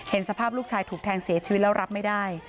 สภาพลูกชายถูกแทงเสียชีวิตแล้วรับไม่ได้